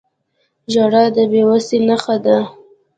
• ژړا د بې وسۍ نښه ده.